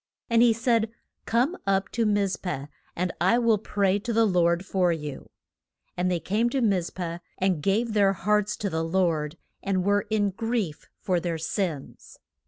And he said, Come up to Miz peh, and I will pray to the Lord for you. And they came to Miz peh, and gave their hearts to the Lord, and were in grief for their sins.